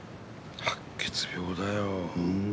白血病だよ。